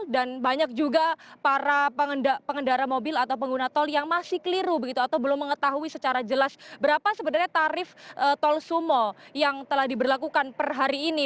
dan banyak juga para pengendara mobil atau pengguna tol yang masih keliru begitu atau belum mengetahui secara jelas berapa sebenarnya tarif tol sumo yang telah diberlakukan per hari ini